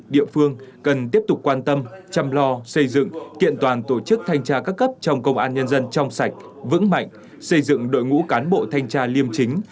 địa phương cần tiếp tục quan tâm chăm lo xây dựng kiện toàn tổ chức thanh tra các cấp trong công an nhân dân trong sạch vững mạnh xây dựng đội ngũ cán bộ thanh tra liêm chính